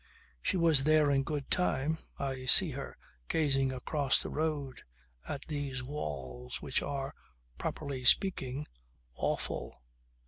She was there in good time. I see her gazing across the road at these walls which are, properly speaking, awful.